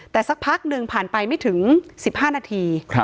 แต่สักพักหนึ่งผ่านไปไม่ถึง๑๕นาที